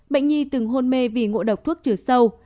bệnh nhi từng hôn mê vì ngộ độc thuốc trừ sâu